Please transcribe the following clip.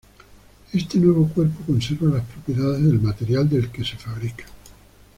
Este nuevo cuerpo conserva las propiedades del material del que se fabrica.